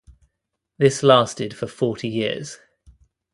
This lasted for forty years.